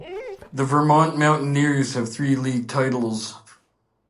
The Vermont Mountaineers have three league titles.